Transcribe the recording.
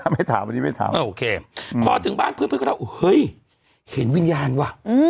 ไม่ถามวันนี้ไม่ถามโอเคพอถึงบ้านเพื่อนก็ถามเฮ้ยเห็นวิญญาณว่ะ